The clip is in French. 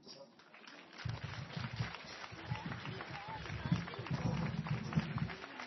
L'année suivante, une seconde galaxie également dépourvue de matière noire y est découverte.